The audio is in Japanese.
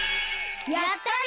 やったね！